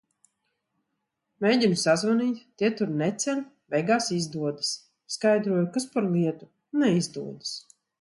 Mēģinu sazvanīt, tie tur neceļ, beigās izdodas. Skaidroju, kas par lietu, neizdodas.